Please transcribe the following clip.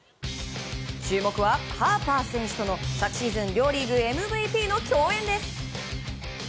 注目はハーパー選手との昨シーズン両リーグＭＶＰの競演です。